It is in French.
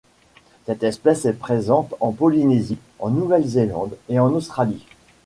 Cette espèce est présente en Polynésie, en Nouvelle-Zélande et en Australie.